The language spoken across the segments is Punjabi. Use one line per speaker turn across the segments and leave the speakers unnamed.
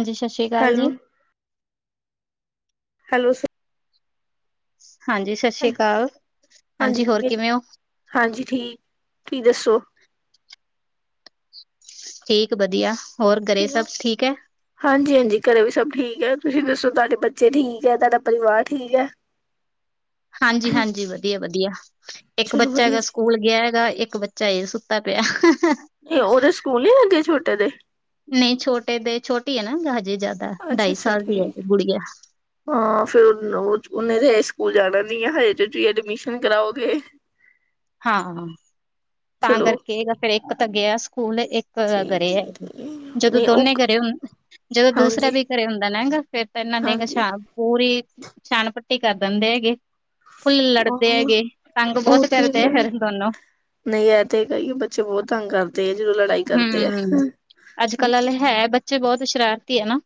ਹਾਂਜੀ, ਸਾਸ਼੍ਰੀ ਕਾਲ
ਹੈਲੋ,
ਜੀ।
ਹੈਲੋ ਸ
ਹਾਂਜੀ, ਸਾਸ਼ੀ ਕਾਲ ਹਾਂਜੀ ਹੋਰ ਕਿਵੇਂ ਓ?
ਹਾਂਜੀ, ਠੀਕ ਕੀ ਦੱਸੋ?
ਠੀਕ ਵਦੀਆ ਹੋਰ ਘਰੇ ਸਬ ਠੀਕ ਐ।
ਹਾਂਜੀ-ਹਾਂਜੀ, ਘਰੇ ਵੀ ਸਬ ਠੀਕ ਐ, ਤੁਸੀਂ ਦੱਸੋ ਤੁਆਡੇ ਬੱਚੇ ਠੀਕ ਐ, ਤੁਆਡਾ ਪਰਿਵਾਰ ਠੀਕ ਐ।
ਹਾਂਜੀ-ਹਾਂਜੀ, ਵਦੀਆ-ਵਦੀਆ, ਇੱਕ
ਚਲੋ
ਬੱਚਾ
ਵਧੀਆ
ਹੈਗਾ
ਜੀ,
ਸਕੂਲ ਗਿਆ ਹੈਗਾ ਇੱਕ ਬ ਚਾ ਈ ਸੁੱਤਾ ਪਿਆ।
ਕੀ ਓਦੇ ਸਕੂਲ ਨੀ ਲੱਗੇ ਛੋਟੇ ਦੇ।
ਨਈ ਛੋਟੇ ਦੇ ਛੋਟੀ ਐ ਨਾ ਹਜੇ ਜ਼ੈਦਾ
ਅੱਛਾ
ਢਾਈ
ਅੱਛਾ
ਸਾਲ ਦੀ ਐ ਤੇ
ਠੀਕ।
ਗੁੜੀਆ।
ਹਾਂ, ਫੇਰ ਉਨ ਓਂਜ ਓਨੇ ਤੇ ਹਜੇ ਸਕੂਲ ਜਾਣਾ ਨੀ ਆ ਹਜੇ ਚ ਤੁਸੀਂ ਐਡਮਿਸ਼ਨ ਕਰਾਓਗੇ।
ਹਾਂ, ਤਾਂ
ਚਲੋ
ਕਰਕੇ ਫਿਰ ਇੱਕ ਤਾਂ ਗਿਆ ਸਕੂਲ ਇੱਕ ਪਤਾ ਕਰਿਐ।
ਠੀਕ ਠੀਕ
ਜਦੋਂ
ਨਹੀਂ ਉਹ
ਦੋਨੇ ਘਰੇ ਹੁੰ ਜਦੋਂ ਦੂਸਰਾ
ਹਾਂਜੀ
ਵੀ ਘਰੇ ਹੁੰਦਾ ਨਾ ਹੈਂਗਾ ਫੇਰ ਤਾਂ ਇਨਾਂ ਨੇ
ਹਾਂਜੀ
ਗਸ਼ਾਬ ਪੂਰੀ ਛਾਨ ਪੱਟੀ ਕਰ ਦਿੰਦੇ ਹੈਗੇ ਫੁੱਲ ਲੜਦੇ
ਉਹ
ਹੈਗੇ ਤੰਗ
ਉਹ
ਬੌਤ
ਤੇ
ਕਰ ਫਿਰੋਨੂੰ
ਨਹੀਂ ਐ ਤੇ ਕਹੀਏ ਬੱਚੇ ਬਹੁਤ ਤੰਗ ਕਰਦੇ। ਤੇਜ ਲੜਾਈ ਕਰਦੇ ਆ।
ਹਮ ਅੱਜ ਕੱਲ ਵਾਲੇ ਹੈ ਬੱਚੇ ਬਹੁਤ ਸ਼ਰਾਰਤੀ ਹੈ ਨਾ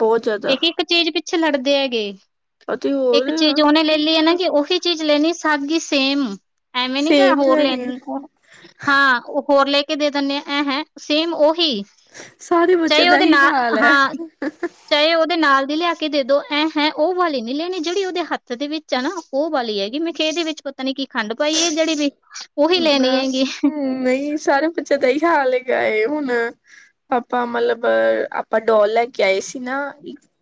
ਬਹੁਤ ਜ਼ਿਆਦਾ
ਇੱਕ ਇੱਕ ਚੀਜ਼ ਪਿੱਛੇ ਲੜਦੇ ਹੈਗੇ
ਅਤੇ ਹੋਰ
ਇੱਕ ਚੀਜ਼ ਉਹਨੇ ਲੈ ਲਈ ਹੈ ਨਾ ਕਿ ਉਹੀ ਚੀਜ਼ ਲੈਣੀ ਸਭ ਦੀ ਸੇਮ। ਐਵੇਂ ਨੀ ਕਰ
ਸੇਮ
ਹੋਰ
ਹੀ
ਲੈਣ
ਨੇ
ਹਾਂ ਉਹ ਹੋਰ ਲੈ ਕੇ ਦੇ ਦਿੰਦੇ ਆ। ਅਂ ਹੈਂ ਸੇਮ ਓਹੀ।
ਸਾਰੇ ਬੱਚੇ ਦਾ ਹੀ ਹਾਲ ਹੈ।
ਚਾਹੇ ਉਹਦੇ ਨਾਲ ਦੀ ਲਿਆ ਕੇ ਦੇ ਦੋ ਇਹਂ ਹੈਂ ਉਹ ਵਾਲੇ ਨੀ ਲੈਣੀ ਜਿਹੜੀ ਉਹਦੇ ਹੱਥ ਦੇ ਵਿੱਚ ਹੈ ਨਾ ਉਹ ਵਾਲੀ ਹੈਗੀ ਮੈਂ ਖੇ ਦੇ ਵਿੱਚ ਪਤਾ ਨੀ ਕੀ ਖੰਡ ਪਾਈ ਹੈ ਜਿਹੜੀ ਵੀ ਉਹੀ ਲੈਣੀ
ਹਮ
ਹੈਗੀ।
ਨਹੀਂ ਸਾਰੇ ਬੱਚਿਆਂ ਦਾ ਹੀ ਹਾਲ ਹੈਗਾ ਹੁਣ ਆਪਾਂ ਮਤਲਬ ਆਪਾਂ ਡੋਲ ਲੈ ਕੇ ਆਏ ਸੀ ਨਾ।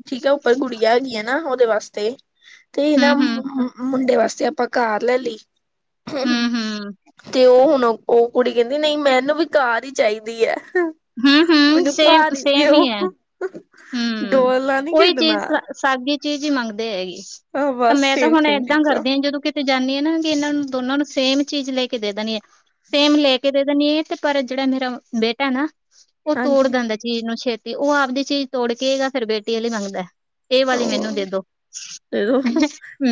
ਠੀਕ ਹੈ ਉੱਪਰ ਗੁੜੀਆਂ ਹੈਗੀਆਂ ਨਾ ਉਹਦੇ ਵਾਸਤੇ ਤੇ
ਹੂੰ
ਇਹਨਾਂ।
ਹੂੰ
ਮੁੰਡੇ ਵਾਸਤੇ ਆਪਾਂ ਕਾਰ ਲੈ ਲਈ।
ਹੂੰ
ਹਮ
ਹੂੰ
ਤੇ ਉਹ ਹੁਣ ਉਹ ਕੁੜੀ ਕਹਿੰਦੀ ਨਹੀਂ ਮੈਨੂੰ ਵੀ ਕਾਰ ਹੀ ਚਾਹੀਦੀ ਹੈ।
ਹੂੰ ਹੂੰ
ਮੈਨੂੰ
ਸੇਮ
ਘਰ ਹੀਦੀ
ਸੇਮ ਹੀ ਹੈ
ਉਹ
ਹੂੰ,
ਡੋਲ ਨੀ
ਉਹੀ
ਖੇਡਣਾ।
ਚੀਜ਼ ਸਾਗੀ ਚੀਜ਼ ਹੀ ਮੰਗਦੇ ਹੈਗੇਗੀ ਤਾਂ
ਬਸ
ਮੈਂ ਤਾਂ
ਸੇਮ
ਹੁਣ
ਸੇਮ
ਏਦਾਂ
ਚੀਜ਼ਾਂ
ਕਰਦੀ ਹਾਂ ਜਦੋਂ ਕਿਤੇ ਜਾਂਦੀ ਹ ਨਾ ਕਿ ਇਹਨਾਂ ਨੂੰ ਦੋਨਾਂ ਨੂੰ ਸੇਮ ਚੀਜ਼ ਲੈ ਕੇ ਦੇ ਦੇਣੀ ਹੈ ਸੇਮ ਲੈ ਕੇ ਕਿਤੇ ਦਾ ਨੀ ਤੇ ਪਰ ਜਿਹੜਾ ਮੇਰਾ ਬੇਟਾ ਨਾ ਉਹ ਤੋੜ
ਹਾਂਜੀ
ਦਿੰਦਾ। ਚੀਜ਼ ਨੂੰ ਛੇਤੀ ਉਹ ਆਪਦੀ ਚੀਜ਼ ਤੋੜ ਕੇਗਾ ਫਿਰ ਬੇਟੀ ਵਾਲ ਲਈ ਮੰਗਦਾ। ਇਹ ਵਾਲੀ ਮੈਨੂੰ ਦੇ
ਹੋਰ
ਦੋ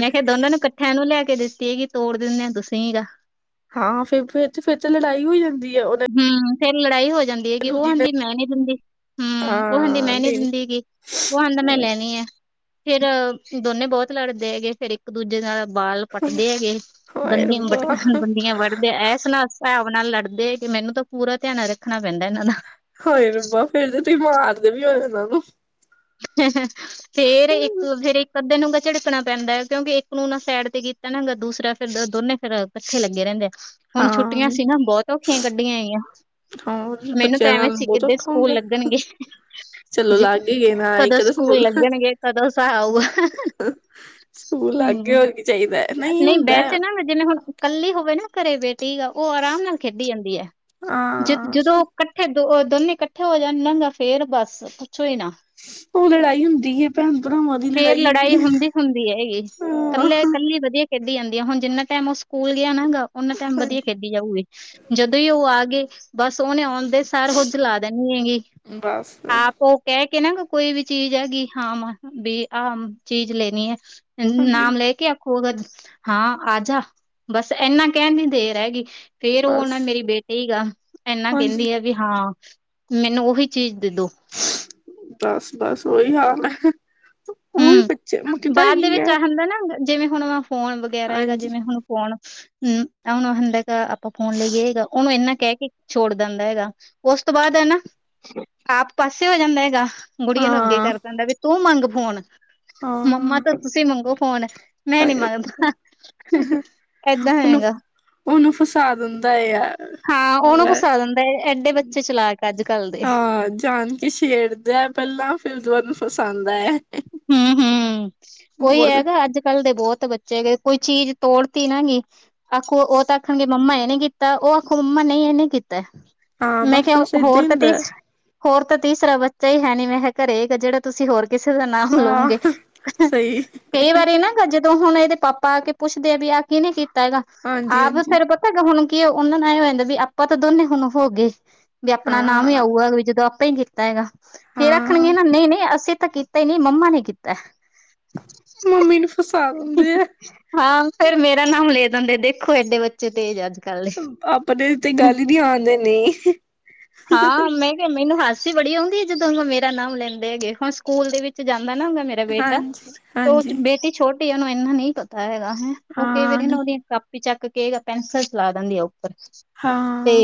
ਮੈਂ ਕਿਹਾ ਦੋਨਾਂ ਨੂੰ ਕੱ ਠਿਆਂ ਨੂੰ ਲੈ ਕੇ ਦਿੱਤੀ ਗੀ ਤੋੜ ਦਿੰਨ ਆ ਤੁਸੀਂ ਗਾ।
ਹਾਂ ਫਿਰ ਫ ਤੇ ਫੇਰ ਤੇ ਲੜਾਈ ਹੋ ਜਾਂਦੀ ਹੈ ਉਹਨਾਂ
ਹਮ ਫੇਰ ਲੜਾਈ ਹੋ ਜਾਂਦੀ ਹੈਗੀ ਉਹਹਿੰਦੀ ਮੈਂ ਨੀ ਦਿੰਦੀ ਹਮ ਉਹ ਹਿੰਦੀ
ਹਾਂ
ਮੈਂ ਨੀ
ਦੇ
ਦਿੰਦੀ ਹੈਗੀ। ਉਹ ਹੰਦਾ ਮੈਂ ਲੈਣੀ ਆ ਫੇਰ ਦੋਨੇ ਬਹੁਤ ਲੜਦੇ ਹੈਗੇ ਫੇਰ ਇੱਕ ਦੂਜੇ ਨਾਲ ਬਾਲ ਪੱਟਦੇ ਹੈਗੇ
ਹਾਏ
ਦੰਦੀ ਵਟ
ਰੱਬਾ
ਬੰਦੀਆਂ ਵੱਢਦੇ ਐ ਸੁਣਾ। ਭਾਵ ਨਾਲ ਲੜਦੇ ਕਿ ਮੈਨੂੰ ਤਾਂ ਪੂਰਾ ਧਿਆਨ ਰੱਖਣਾ ਪੈਂਦਾ ਇਹਨਾਂ ਦਾ
ਹੋਏ ਰਬਾ ਫੇਰ ਜ ਤੁਸੀਂ ਮਾਰਦੇ ਵੀ ਹੋਏ ਉਹਨਾਂ ਨੂੰ।
ਫੇਰ ਇੱਕ ਫੇਰ ਇੱਕ ਅੱਧੇ ਨੂੰ ਝਿੜਕਣਾ ਪੈਂਦਾ ਹੈ ਕਿਉਂਕਿ ਇੱਕ ਨੂੰ ਨਾ ਸੈਡ ਤੇ ਪਹਿਣਾਗਾ ਦੂਸਰਾ ਫਿਰ ਦੋਨੇ ਫੇਿਰ ਇਕੱਠੇ ਲੱਗੇ ਰਹਿੰਦੇ ਆ। ਹੁਣ
ਹਾਂ
ਛੁੱਟੀਆਂ
ਨਹੀਂ
ਸੀ ਨਾ ਬਹੁਤ ਔਖੀਆਂ ਕੱਢੀਆਂ ਆਈਆਂ।
ਹਾਂ
ਮੈਨੂੰ ਤਾਂ
ਬੱਚਿਆਂ
ਐਵੇਂ
ਨਾਲ
ਸੀ
ਬਹੁਤ
ਕਿੱਧੇ
ਔਖਾ
ਸਕੂਲ
ਹੁੰਦਾ
ਲੱਗਣਗੇ
ਚਲੋ
ਜ
ਲੱਗ ਹੀ ਗਏ ਨਾ
ਕਦੋਂ
ਇੱਕ ਤਾਂ
ਸਕੂਲ ਲੱਗਣਗੇ ਕਦੋਂ ਸਾ ਆਊਗਾ।
ਸਕੂਲ
ਹੂੰ।
ਅੱਗੇ ਹੋ ਕੇ ਚਾਹੀਦਾ ਨਹੀਂ ਹੁੰਦਾ।
ਵੈਸੇ ਨਾ ਜਿਵੇਂ ਹੁਣ ਕੱਲੀ ਹੋਵੇ ਨਾ ਘਰੇ ਬੇਟੀ ਗ ਉਹ ਆਰਾਮ ਨਾਲ ਖੇਡੀ ਜਾਂਦੀ ਹੈ ਜਿ
ਹਾਂ
ਜਦੋਂ ਇਕੱਠੇ ਦੋ ਦੋਨੇ ਇਕੱਠੇ ਹੋ ਜਾਣ ਲੰਘਗਾ ਫੇਰ ਬਸ ਪੁੱਛੋ ਹੀ ਨਾ
ਉਹ ਲੜਾਈ ਹੁੰਦੀ ਹੈ। ਭੈਣ ਭਰਾਵਾਂ ਦੀ
ਫੇਰ ਲੜਾਈ
ਹੈਗੀ
ਹੁੰਦੀ ਹੁੰਦੀ ਹੈਗੀ
ਹੈ ਹਾਂ
ਇਕੱਲੇ ਇਕੱਲੀ ਵਧੀਆ। ਖੇਡੀ ਜਾਂਦੀ ਹੈ ਹੁਣ ਜਿੰਨਾ ਟਾਈਮ ਉਹ ਸਕੂਲ ਗਿਆ ਨਾ ਗ ਉਹਨਾ ਟਾਈਮ ਵਧੀਆ
ਹਾਂਜੀ
ਖੇਡ ਜਾਵੇ ਜਦੋਂ ਹੀ ਉਹ ਆ ਗਏ ਬਸ ਉਹਹਨੇ ਆਉਂਦੇ। ਸਰ ਹ ਜਲਾ ਦਣੀ ਹੈਗੀ
ਬਸ
ਆਪ ਉਹ ਕਹਿ ਕੇ ਨਾ ਕੋਈ ਵੀ ਚੀਜ਼ ਹੈਗੀ ਹਾਂ ਵੀ ਆਹ ਚੀਜ਼ ਲੈਣੀ ਹੈ
ਹਾਂਜੀ
ਨਾਮ ਲੈ ਕੇ ਆਪ ਉਹ ਤਾਂ ਹਾਂ ਆ ਜਾ ਬਸ ਇਨਾ ਕਹਿਣ ਦੀ ਦੇ ਰਹਿਗੀਈ। ਫੇਰ ਉਹ
ਬਸ
ਨਾ ਮੇਰੀ ਬੇਟੇ ਗ ਇਨਾ
ਹਾਂਜੀ
ਕਹਿੰਦੀ ਆ ਵੀ ਹਾਂ। ਮੈਨੂੰ ਉਹੀ ਚੀਜ਼ ਦੇ ਦੋ।
ਬਸ ਬਸ ਉਓਹੀ ਹਾਲ ਹੈ।
ਹੂੰ।
ਬੱਚੇ ਕਿਤਾ
ਬਾਅਦ ਦੇ
ਕੀ
ਵਿੱਚ
ਹੈ।
ਆ ਹੁੰਦਾ ਨਾ ਜਿਵੇਂ ਹੁਣ ਫੋਨ ਵਗੈਰਾ ਹੈਗਾ
ਹਾਂਜੀ
ਜਿਵੇਂ ਹੁਣ ਫੋਨ ਹਮ ਹਣ ਹੁੰ [inaudible] ਆਪਾਂ ਫੋਨ ਲੈਗਿ ਆ ਸਿਗਾ ਔਹਨੂੰ ਇੰਨਾ ਕਹਿ ਕੇ ਛੋੜ ਦੇਂਦਾ ਹੈਗਾ, ਉਸ ਤੋਂ ਬਾਅਦ ਹਨਾ। ਆਪ ਪਾਸੇ ਹੋ ਜਾਂਦਾ ਹੈਗਾ। ਗੁੜੀਆਂ ਨੂੰ ਅੱਗੇ
ਹਾਂ
ਕਰ ਦਿੰਦਾ ਵੀ ਤੂੰ ਮੰਗ ਫੋਨ ਮੰਮਾ
ਹਾਂ
ਤਾਂ ਤੁਸੀਂ ਮੰਗੋ ਫੋਨ। ਮੈਂ ਨੀ
ਉਹਨੂੰ
ਮੰਗਦਾ [inaudible] ਏਦਾਂ ਨੀ ਹੈਗਾ।
ਔਨੂੰ ਫਸਾ ਦਿੰਦਾ ਹੈ ਆ।
ਹਾਂ ਉਹਨੂੰ ਫਸਾ ਦਿੰਦਾ। ਐਡੇ ਬੱਚੇ ਚਲਾਕ ਅੱਜ ਕੱਲ ਦੇ।
ਹਾਂ ਜਾਂਨ ਕਿ ਛੇੜਦੇ ਪਹਿਲਾਂ ਫਿਰ ਦਆੂੰ ਨੂੰ ਫਸਾਉਂਦਾ ਹੈ।
ਹਮ -ਹਮ, ਕੋਈ
ਬਹੁਤ
ਹੈਗਾ ਅੱਜ ਕੱਲ੍ਹ ਦੇ ਬਹੁਤ ਬ ੱਚੇ ਕੋਈ ਚੀਜ਼ ਤੋੜਤੀ ਨਾ ਗ ਆਖੋ ਉਹ ਤਾਂ ਆਖਣਗੇ ਮੰਮਾ ਇਹਨੇ ਕਿ ਤਾਂ ਔਹ ਹਕੁਮ ਨੇ ਔਨੇ ਕੀਤਾ,
ਹਾਂ
ਮੈਂ
ਬਸ
ਕਿਹਾ
ਬਸ ਏਦਾਂ
ਹੋਰ
ਹੀ
ਤਾਂ
ਹੁੰਦਾ
ਤਿਸ ਹੋਰ ਤਾਂ ਤੀਸਰਾ ਬੱਚਾ ਹੀ ਹੈ ਨੀ ਮੈਂ ਕਿਹਾ ਘਰੇ ਜਿਹੜਾ ਤੁਸੀਂ ਹੋਰ ਕਿਸੇ ਦਾ।
ਹਾਂ
ਲਊਗੇ ਕ ਅੰ
ਸਹੀ
ਕ ਈ ਵਾਰੀ ਨਾ ਤਾ ਜਦੋਂ ਹੁਣ ਇਹਦੇ ਪਾਪਾ ਆ ਕੇ ਪੁੱਛਦੇ ਆ ਵੀ ਆਹ ਕਿਹਨੇ ਕੀਤਾ ਹੈਗਾ।
ਹਾਂਜੀ
ਆਪ
ਹਾਂਜੀ
ਫਿਰ ਤਾ ਪਤਾ ਹੁਣ ਕਿ ਹੈ। ਔਹਨੂ ਨਾ ਏਹ ਰਹਿਦਾਂ ਸੀ ਕੀ, ਤਾਂ ਦੋਨੇ ਹੁਣ ਹੋ ਗਏ ਵੀ ਆਪਣਾ ਨਾਮ ਹੀ
ਹਾਂ
ਆਊਗਾ ਵੀ ਜਦੋਂ ਕੀਤਾ ਹੈਗਾ ਫੇਰ
ਹਾਂ
ਆਖਣਗੇ ਨਾ ਨਹੀਂ ਨਹੀਂ ਅਸੀਂ ਤਾਂ ਕੀਤਾ ਹੀ ਨਹੀਂ ਮੰਮਾ ਨੇ ਕੀਤਾ ਹੈ।
ਮੰਮੀ ਨੂੰ ਫਸਾ ਦਿੰਦੇ ਹੈ।
ਹਾਂ ਫੇਰ ਮੇਰਾ ਨਾਮ ਲੈ ਦਿੰਦੇ ਦੇਖੋ ਏਡੇ ਬੱਚੇ ਤੇਜ ਅੱਜ ਕੱਲ ਦੇ, ਹਮ।
ਵੀ ਆਉਂਦੇ ਨੇ।
ਹਾਂ ਮੈਂ ਕਿਹਾ ਮੈਨੂੰ ਹੱਸ ਚ ਵੜੀ ਆ ਹੋਂਦਿ ਆ ਜਿਦੋਂ ਮੇਰਾ ਨਾਮ ਲੈਂਦੇ ਹੈਗੇ ਹੁਣ ਸਕੂਲ ਦੇ ਵਿੱਚ ਜਾਂਦਾ ਨਾ ਮੇਰਾ ਡਾ ਬੇਟਾ
ਹਾਂਜੀ
ਤੇ ਔਹ
ਹਾਂਜੀ
ਬੇਟੀ ਛੋਟੀ, ਏ ਔਹਨੂੰ ਇੰਨਾ ਨਹੀਂ ਪਤਾ ਹੈਗਾ ਹੈ ਔਹ ਕਈ
ਹਾਂ
ਵਾਰੀ ਨਾ ਔਹਦੀਆਂ ਕਾਪੀਆਂ ਚੱਕ ਕੇ ਪੈਨਸਿਲ ਚਲਾ ਦੇਨਦੀ ਆ ਉਪਰ।
ਹਾਂ।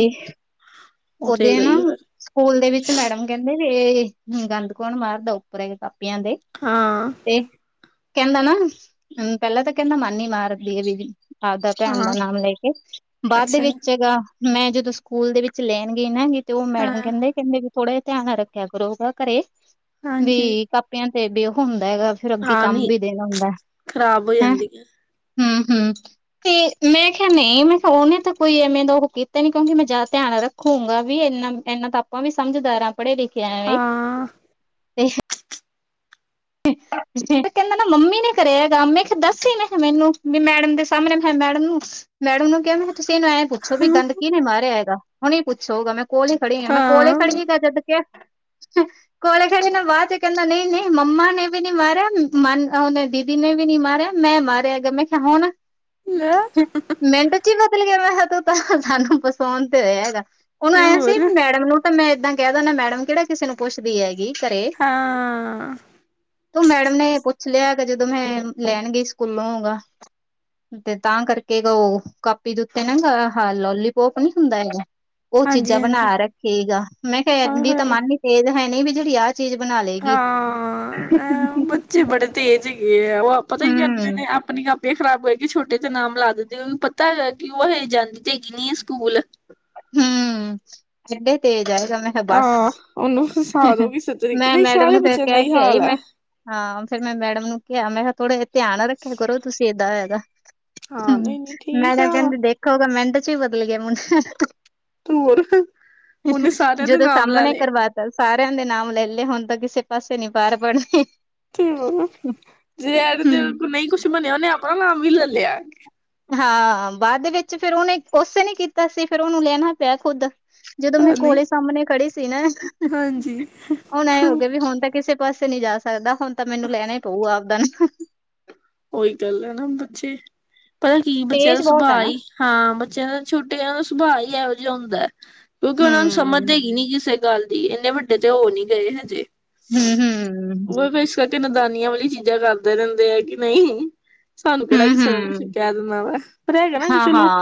ਉਹ ਤੇ
ਔਹਦੇ ਨਾ
ਗਈ ਆ ਫਿਰ
ਸਕੂਲ ਦੇ ਵਿੱਚ ਮੈਡਮ ਕਹਿੰਦੇ ਵੀ ਗੰਦ ਕੌਣ ਮਾਰਦਾ ਉੱਪਰ ਕਾਪੀਆਂ ਦੇ
ਹਾਂ।
ਤੇ ਕਹਿੰਦਾ ਨਾ ਪਹਿਲਾਂ ਤਾਂ ਕਹਿੰਦਾ ਮਨ ਹੀ ਮਾਰਦੀ ਹੈ ਦੀਦੀ। ਆਪਦਾ ਭੈਣ ਦਾ
ਹਾਂ
ਨਾਮ ਲੈ ਕੇ, ਬਾਅਦ ਦੇ
ਅੱਛਾ
ਵਿੱਚ ਕਹੇਗਾ, ਮੈਂ ਜਦੋਂ ਸਕੂਲ ਦੇ ਵਿੱਚ ਲੈਣ ਤੇ ਨਾ, ਨੀ ਤੇ ਔਹ
ਹਾਂ
ਮੈਡਮ ਕਹਿੰਦੇ, ਕਿ ਨਾ ਥੋੜਾ ਜ ਧਿਆਨ ਰੱਖਿਆ ਕਰੋ ਗਾ ਘਰੇ
ਹਾਂਜੀ
ਵੀ ਕਾ ਪ ਪਿਆਂ ਤੇ ਬਹ ਹੁੰਦਾ ਹੈਗਾ ਫਿਰ ਅੱਗੇ
ਹਾਂ
ਕੰਮ
ਨਹੀਂ
ਵੀ ਦੇਣਾ ਹੁੰਦਾ
ਖ਼ਰਾਬ ਹੋ
ਹੈਂ।
ਜਾਂਦੀ ਹੈ।
ਹਮ -ਹਮ। ਤੇ ਮੈਂ ਕਿਹਾ ਨਹੀਂ, ਮੈਂ ਕਿਹਾ ਉਹਨੇ ਤਾਂ ਕੋਈ, ਐਵੇਂ ਦਾ ਉਹ ਕੀਤਾ ਈਨੀ ਕਮ ਕਿਉਂਕਿ ਮੈਂ ਜ਼ਿਆਦਾ ਧਿਆਨ ਰੱਖ ਖੂੰਗਾ ਵੀ ਇਨਾ ਇਨਾ ਤਾਂ ਆਪਾਂ ਵੀ ਸਮਝਦਾਰ ਆਾਂ ਪੜ੍ਹੇ ਲਿਖੇ ਵੀ
ਹਾਂ
ਠੀ [inaudible] ਕਹਿੰਦਾ ਨਾ ਮੰਮੀ ਨੇ ਕਰਿਆ ਹੈਗਾ, ਮ ਮੈਂ ਦੱਸ ਹੀ ਮੈਨੂੰ ਵੀ ਮੈਡਮ ਦੇ ਸਾਹਮਣੇ ਮੈਂ ਕਿਹਾ ਮੈਡਮ ਨੂੰ ਮੈਡਮ ਨੂੰ ਕਿਹਾ ਮੈਂ ਕੀ ਤੁਸੀਂ ਇਹਨੂੰ ਐਂ ਪੁੱਛੋ ਵੀ ਗਂਦ। ਕੀਨੇ ਮਾਰਿਆ ਹੈਗਾ, ਹੁਣੇ ਪੁੱਛੋ ਮੈਂ ਕੋਲ ਹੀ ਖੜੀਆ ਮੈਂ ਕੋਲ ਹੀ
ਹਾਂ
ਖੜੀ ਜਦ ਕਿਹਾ ਕੋਲੇ ਖੜ੍ਹੇ ਨਾਲ ਬਾਅਦ ਚ ਕਹਿੰਦਾ ਨਹੀਂ ਨਹੀਂ ਮੰਮਾ ਕਿਸੇ ਨੇ ਵੀ ਨਹੀਂ ਮਾਰਿਆ ਮਨ ਉਹਨੇ ਦੀਦੀ ਨੇ ਵੀ ਨੀ ਮਾਰਿਆ ਮੈਂ ਮਾਰਿਆ ਹੈਗਾ ਹੁਣ।
ਲੈ
ਮਿੰਟ ਚ ਹੀ ਬਦਲ ਗਿਆ। ਮੈਂ ਕਿਹਾ ਤੂੰ ਤਾਂ ਸਾਨੂੰ ਫਸਾਉਣ ਤ ਆਇਆ ਹੈਗਾ। ਔਹਨੂੰ
ਤੇ
ਐ ਸੀ
ਹੋਰ
ਮੈਡਮ ਨੂੰ ਤਾਂ ਮੈਂ ਇਦਾਂ ਕਹਿ ਦਿੰਦਾ ਮੈਡਮ ਕਿਹੜਾ ਕਿਸੇ ਨੂੰ ਪੁੱਛਦੀ ਹੈਗੀ ਘਰੇ
ਹਾਂ ਆ ਆ
ਤੇ ਔਹ ਮੈਡਮ ਨੇ ਪੁੱਛ ਲਿਆ ਜਦੋਂ ਮੈਂ ਲੈਣ ਗਈ ਸਕੂਲੋਂ ਹੈ ਗਾ। ਤੇ ਤਾਂ ਕਰਕੇ ਔਹ, ਕਾਪੀ ਦੇ ਉੱਤੇ ਸਾਰਾ ਲੋਲੀਪੋਪ ਨੀ ਹੁੰਦਾ ਹੈਗਾ ਉਹ
ਹਾਂਜੀ
ਚੀਜ਼ਾਂ ਬਣਾ
ਹਾਂਜੀ
ਰੱਖੇਗਾ। ਮੈਂ ਕਿਹਾ
ਹਾਂ
ਐਦਾ ਤਾਂ
ਹਾਏ
ਮਨ ਤੇਜ ਹੈ ਨੀ। ਚੀਜ਼ ਬਣਾ ਲੇਗੀ।
ਹਾਂ
[inaudible]
ਬੱਚੇ ਬੜੇ ਤੇਜ਼ ਹੈਗੇ ਆ ਔ ਪਤਾ ਕੀ ਕਰਦੇ
ਹੂੰ
ਨੇ ਆਪਣੀ ਆਪੇ ਖ਼ਰਾਬ ਕਰੇਗੀ, ਛੋਟੇ ਤੇ ਨਾਮ ਲਾ ਦਿੰਦੇ ਔਨੂ ਪਤਾ ਹੈਗਾ ਕਿ ਔ ਹਲੇ ਜਾਂਦੀ ਤੇ ਹੈਗੀ ਨੀ ਸਕੂਲ।
ਹੂੰ, ਕਿੱਡੇ ਤੇਜ਼ ਐ ਦੋਨੇ। ਬਸ
ਹਾਂ ਉਹਨੂੰ ਫਸਾ ਦੋ ਕਿਸੇ
ਮੈਂ
ਤਰੀਕੇ ਨਹੀਂ
ਮੈਡਮ
ਸਾਰੇ
ਨੂੰ ਫਿਰ
ਬੱਚਿਆਂ ਦਾ
ਕਹਿ
ਹੀ
ਕੇ ਆਈ,
ਹਾਲ ਹੈ
ਮੈਂ ਹਾਂ, ਫੇਰ ਮੈਂ ਮੈਡਮ ਨੂੰ ਕਿਹਾ ਮੈਂ ਕਿਹਾ ਥੋੜੇ ਧਿਆਨ ਰੱਖਿਆ ਕਰੋ, ਤੁਸੀਂ ਏਦਾਂ ਦਾ ਹੈਗਾ।
ਹਾਂ
ਹੂੰ,
ਨਹੀਂ ਨਹੀਂ ਠੀਕ
ਮੈਡਮ
ਆ
ਕਹਿੰਦੀ ਦੇਖੋ ਮਿੰਟ ਚ ਹੀ ਬਦਲ ਗਿਆ ਮੁੰਡਾ।
ਤੇ ਹੋਰ ਉਹਨੇ ਸਾਰਿਆਂ ਦੇ
ਜਦੋਂ
ਨਾਮ ਲੈ
ਸਾਮਣੇ
ਲਏ
ਕਰਵਾ ਸਾਰਿਆਂ ਦੇ ਨਾਮ ਲੈ ਲਏ, ਹੁਣ ਤਾਂ ਕਿਸੇ ਪਾਸੇ ਨੀ ਪੈਰ ਵਰਨੇ।
ਠੀਕ ਹੂੰ ਜੇ ਏਟ ਦੀ ਐਂਡ ਨਹੀਂ ਕੁਛ ਬਣਿਆ, ਉਹਨੇ ਆਪਣਾ ਨਾਮ ਵੀ ਲੈ ਲਿਆ।
ਹਾਂ ਬਾਅਦ ਵਿੱਚ ਫੇਰ ਉਹਨੇ ਕੁਛ ਨਹੀਂ ਕੀਤਾ ਸੀ, ਫੇਰ ਉਹਨੂੰ ਲੈਣਾ ਪਿਆ ਖੁਦ। ਜਦੋਂ ਮੈਂ
ਆ ਨਹੀਂ
ਕੋਲੇ ਸਾਹਮਣੇ ਖੜੀ ਸੀ ਨਾ
ਹਾਂਜੀ।
ਹੁਣ ਐਂ ਹੋ ਗਿਆ ਵੀ ਹੁਣ ਤਾਂ ਕਿਸੇ ਪਾਸੇ ਨੀ ਜਾ ਸਕਦਾ, ਹੁਣ ਤਾਂ ਮੈਨੂੰ ਲੈਣਾ ਪਊਗਾ ਆਪਦਾ ਨਾਂ।
ਉਹੀ ਗੱਲ ਹੈ ਨਾ ਬੱਚੇ, ਪਤਾ ਕੀ ਬੱਚਿਆਂ ਦਾ
ਤੇਜ਼ ਬਹੁਤ ਆ
ਸੁਭਾਅ
ਨਾ
ਈ ਹਾਂ ਬੱਚਿਆਂ ਦਾ ਛੋਟੇ ਦਾ ਸੁਭਾਅ ਹੀ ਇਹੋ ਜਿਹਾ ਹੁੰਦਾ, ਕਿਉਂਕਿ
ਹੂੰ
ਉਹਨਾਂ ਨੂੰ ਸਮਝਦੇ ਹੀ ਨੀ ਕਿਸੇ ਗੱਲ ਦੀ ਇੰਨੇ ਵੱਡੇ ਤੇ ਹੋ ਨੀ ਗਏ ਹਜੇ।
ਹੂੰ-ਹੂੰ,
ਇਸ ਕਰਕੇ ਨਦਾਨੀਆਂ ਵਾਲੀ ਚੀਜ਼ਾਂ ਕਰਦੇ ਰਹਿੰਦੇ ਆ, ਕਿ ਨਹੀਂ ਸਾਨੂੰ ਕਿਹੜਾ
ਹੂੰ
ਕਿਸੇ ਨੇ ਕੁਛ
ਹੂੰ
ਕਹਿ ਦੇਣਾ ਵਾ, ਪਰ ਹੈਗਾ ਨਾ
ਹਾਂ
ਚਲੋ
ਹਾਂ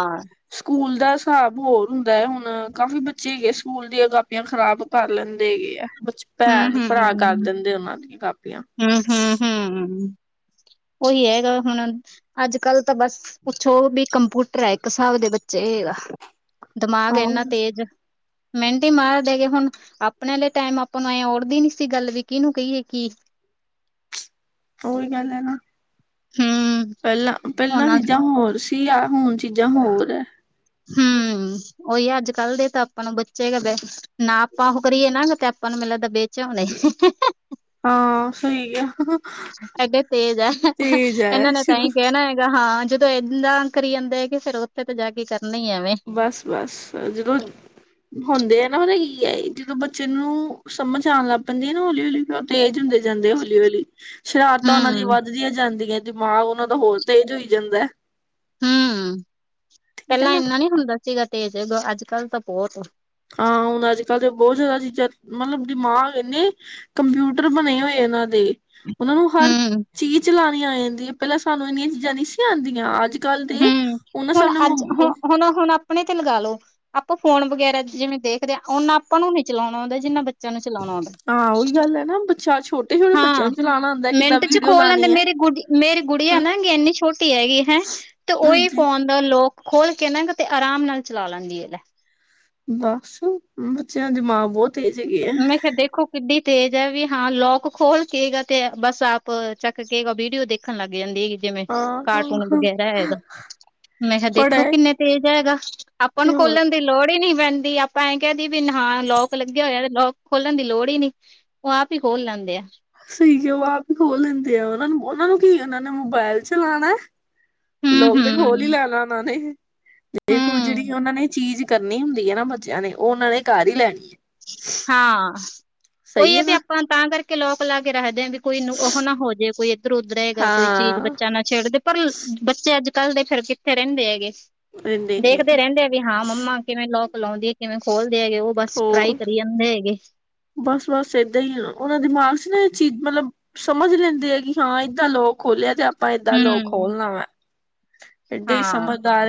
ਸਕੂਲ ਦਾ ਹਿਸਾਬ ਹੋਰ ਹੁੰਦਾ ਐ, ਹੁਣ ਕਾਫੀ ਬੱਚੇ ਹੈਗੇ ਸਕੂਲ ਦੀਆਂ ਕਾਪੀਆਂ ਖ਼ਰਾਬ ਕਰ ਲੈਂਦੇ ਹੈਗੇ ਆ, ਕੁਛ
ਹੂੰ
ਭੈਣ-ਭਰਾ ਕਰ
ਹੂੰ
ਦਿੰਦੇ ਉਹਨਾਂ ਦੀਆਂ ਕਾਪੀਆਂ।
ਹੂੰ-ਹੂੰ-ਹੂੰ, ਉਹੀ ਹੈਗਾ ਹੁਣ ਅੱਜ-ਕੱਲ ਤਾਂ ਬਸ ਪੁੱਛੋ ਵੀ ਕੰਪਿਊਟਰ ਐ, ਇੱਕ ਹਿਸਾਬ ਦੇ ਬੱਚੇ ਹੈਗਾ। ਦਿਮਾਗ ਇੰਨਾ
ਆਹ
ਤੇਜ਼, ਮਿੰਟ ਹੀ ਮਾਰਦੇ ਗੇ ਹੁਣ, ਆਪਣੇੇ ਆਲੇ ਟੈਮ ਆਪਾਂ ਨੂੰ ਐਂ ਓੜਦੀ ਨੀ ਸੀ ਗੱਲ ਵੀ, ਕਿਹਨੂੰ ਕਹੀਏ ਕੀ
ਓਹੀ ਗੱਲ ਐ ਨਾ।
ਹੂੰ
ਪਹਿਲਾਂ-ਪਹਿਲਾਂ
ਹੁਣ
ਚੀਜ਼ਾਂ ਹੋਰ ਸੀ, ਆ ਹੁਣ ਚੀਜ਼ਾਂ ਹੋਰ ਹੈ
ਹੂੰ, ਉਹੀ ਅੱਜ-ਕੱਲ ਦੇ ਤਾਂ ਆਪਾਂ ਨੂੰ ਬੱਚੇ ਗ ਬ ਨਾ ਆਪਾਂ ਉਹ ਕਰੀਏ ਨਾ, ਤੇ ਆਪਾਂ ਨੂੰ ਮਲੇ ਕਿਤੇ ਵੇਚ ਆਉਂਦੇ।
ਹਾਂ ਸਹੀ ਆ
ਐਡੇ ਤੇਜ ਐ,
ਤੇਜ ਹੈ
ਇਹਨਾਂ ਨੇ ਤਾਂਹੀ
ਸ਼ੁਰੂ
ਕਹਿਣਾ ਹੈਗਾ ਹਾਂ, ਜਦੋਂ ਏਦਾਂ ਕਰੀ ਜਾਂਦਾ ਹੈਗੇ, ਫਿਰ ਉੱਥੇ ਤਾਂ ਜਾ ਕੇ ਕਰਨਾ ਹੀ ਐਵੇਂ।
ਬਸ-ਬਸ ਜਦੋਂ ਹੁੰਦੇ ਆ, ਈ ਆਈ ਜਦੋਂ ਬੱਚੇ ਨੂੰ ਸਮਝ ਆਣ ਲੱਗ ਪੈਂਦੀ ਐ ਨਾ, ਹੌਲੀ-ਹੌਲੀ ਤੇਜ਼ ਹੁੰਦੇ ਜਾਂਦੇ ਹੌਲੀ-ਹੌਲੀ, ਸ਼ਰਾਰਤਾਂ ਉਹਨਾਂ ਦੀਆਂ ਵੱਧਦੀਆਂ ਜਾਂਦੀਆਂ, ਦਿਮਾਗ ਉਹਨਾਂ ਦਾ ਹੋਰ ਤੇਜ਼ ਹੋਈ ਜਾਂਦਾ।
ਹੂੰ-ਹੂੰ
ਠੀਕ ਹੈ
ਪਹਿਲਾਂ
ਨਾ
ਏਨਾ ਨੀ ਹੁੰਦਾ ਸੀਗਾ ਤੇਜ, ਅੱਜ-ਕੱਲ ਤਾਂ ਬਹੁਤ
ਹਾਂ ਹੁਣ ਅੱਜ-ਕੱਲ੍ਹ ਤਾਂ ਬਹੁਤ ਜ਼ਿਆਦਾ ਚੀਜ਼ਾਂ, ਮਤਲਬ ਦਿਮਾਗ ਏਨੇ ਕੰਪਿਊਟਰ ਬਣੇ ਹੋਏ ਇਹਨਾਂ ਦੇ। ਉਹਨਾਂ ਨੂੰ ਹਰ
ਹੂੰ
ਚੀਜ਼ ਚਲਾਣੀ ਆ ਜਾਂਦੀ ਐ, ਪਹਿਲਾਂ ਸਾਨੂੰ ਇੰਨੀਆਂ ਚੀਜ਼ਾਂ ਨਹੀਂ ਸੀ ਆਂਦੀਆਂ, ਅੱਜ ਕੱਲ੍ਹ ਦੇ
ਹੂੰ,
ਉਹਨਾਂ
ਹੁਣ ਅੱਜ
ਸਾਹਮਣੇ
ਹੁਣ-ਹੁਣ-ਹੁਣ ਆਪਣੇ ਤੇ ਲਗਾ ਲੋ, ਆਪਾਂ ਫੋਨ ਵਗੈਰਾ ਜਿਵੇਂ ਦੇਖਦੇ ਆਂ, ਓਨਾ ਆਪਾਂ ਨੂੰ ਨੀ ਚਲਾਉਣਾ ਔਂਦਾ, ਜਿੰਨਾ ਬੱ ਬੱਚਿਆਂ ਨੂੰ ਚਲਾਉਣਾ ਆਉਂਦਾ,
ਹਾਂ ਉਹੀ ਗੱਲ ਹੈ ਨਾ ਬੱਚਾ ਛੋਟੇ ਛੋਟੇ ਬੱਚਿਆਂ
ਹਾਂ
ਨੂੰ ਚਲਾਉਣਾ ਆਉਂਦਾ ਕਿੱਦਾਂ
ਮਿੰਟ ਚ
ਵੀਡੀਓ
ਖੋਲ ਲੈਂਦੇ
ਲਾਉਣੀ ਹੈ
ਮੇਰੀ ਗੁਡੀ ਮੇਰੀ ਗੁੜੀਆਂ ਐ
ਹਾਂ
ਨਾ ਐਨੀ ਛੋਟੀ ਹੈਗੀ ਹੈਂ ਉਹੀ
ਹਾਂਜੀ
ਫੋਨ ਦਾ ਲੋਕ ਖੋਲ ਕੇ ਨਾ, ਤੇ ਆਰਾਮ ਨਾਲ ਚਲਾ ਲੈਂਦੀ ਐ ਲੈ।
ਬਸ ਬੱਚਿਆਂ ਦਿਮਾਗ ਬਹੁਤ ਤੇਜ਼ ਹੈਗੇ ਆ
ਮੈਂ ਫੇਰ ਦੇਖੋ ਕਿੱਡੀ ਤੇਜ਼ ਐ ਵੀ ਹਾਂ ਲੌਕ ਖੋਲ ਕੇ ਗਾ, ਤੇ ਬਸ ਆਪ ਚੱਕ ਕੇਗਾ ਵੀਡੀਓ ਦੇਖਣ ਲੱਗ ਜਾਂਦੀ ਹੈਗੀ। ਜਿਵੇਂ
ਹਾਂ
ਕਾਰਟੂਨ
ਹਾਂ
ਵਗੈਰਾ ਹੈਗਾ। ਮੈਂ ਕਿਹਾ
ਪੜ੍ਹਾ
ਦੇਖੋ
ਹੈ
ਕਿੰਨੇ ਤੇਜ਼ ਹੈਗਾ, ਆਪਾਂ
ਤੇ
ਨੂੰ
ਹੋਰ
ਖੋਲਣ ਦੀ ਲੋੜ ਹੀ ਨਈ ਪੈਂਦੀ, ਆਪਾਂ ਐਂ ਕਹਿ ਦੇਈਏ ਵੀ ਨ ਹਾਂ ਲੌਕ ਲੱਗਿਆ ਹੋਇਆ। ਲੋਕ ਖੋਲਣ ਦੀ ਲੋੜ ਈ ਨੀ, ਉਹ ਆਪ ਹੀ ਖੋਲ ਲੈਂਦੇ ਆ।
ਸਹੀ ਕਿਹਾ ਉਹ ਆਪ ਹੀ ਖੋਲ ਲੈਂਦੇ ਆ, ਉਹਨਾਂ ਨੂੰ-ਉਹਨਾਂ ਨੂੰ ਕੀ ਉਹਨਾਂ ਨੇ ਮੋਬਾਇਲ ਚਲਾਣਾ।
ਹੂੰ
ਲੋਕ ਤੇ
ਹੂੰ
ਖੋਲ ਹੀ ਲੈ ਲ ਉਹਨਾਂ ਨੇ ਦੇਖੋ ਜਿਹੜੀ
ਹੂੰ
ਉਹਨਾਂ ਨੇ ਚੀਜ਼ ਕਰਨੀ ਹੁੰਦੀ ਹੈ ਨਾ ਬੱਚਿਆਂ ਨੇ ਉਹ ਉਹਨਾਂ ਨੇ ਕਾਰ ਹੀ ਲੈਣੀ ਹੈ।
ਹਾਂ ਉਹੀ
ਸਹੀ
ਹੈ ਵੀ
ਨਾ
ਆਪਾਂ ਤਾਂ ਕਰਕੇ ਲੋਕ ਲਾ ਕੇ ਰੱਖਦੇ ਹਾਂ ਵੀ ਕੋਈ ਉਹ ਨਾ ਹੋ ਜਾੇ ਕੋਈ ਇੱਧਰ ਉਧਰ ਹੈਗਾ ਕੋਈ ਚੀਜ਼
ਹਾਂ
ਬੱਚਾ ਨਾ ਛੇਡਦੇ। ਪਰ ਬੱਚੇ ਅੱਜ ਕੱਲ੍ਹ ਦੇ ਫਿਰ ਕਿੱਥੇ ਰਹਿੰਦੇ ਹੈਗੇ
ਰਹਿੰਦੇ ਨੀ
ਦੇਖਦੇ ਰਹਿੰਦੇ। ਵੀ ਹਾਂ ਮੰਮਾ ਕਿਵੇਂ ਲੋਕ ਲਉਦੀ ਹੈ ਕਿਵੇਂ ਖੋਲਦੇ ਹੈਗੇ ਉਹ। ਬਸ ਟਰਾਈ
ਹੋਰ
ਕਰੀ ਜਾਂਦੇ ਹੈਗੇ
ਬਸ ਬਸ ਏਦਾਂ ਹੀ ਉਹ ਦਾ ਦਿਮਾਗ ਚ ਨਾ ਇਹ ਚੀਜ਼ ਮਤਲਬ। ਸਮਝ ਲੈਂਦੇ ਆ ਕਿ ਹਾਂ ਏਦਾਂ ਲੋਕ ਖੋਲਿਆ ਤੇ ਆਪਾਂ ਏਦਾਂ ਲੋਕ
ਹੂੰ
ਖੋਲਣਾ ਵਾ ਇਡ ਹੀ
ਹਾਂ
ਸਮਝਦਾਰ।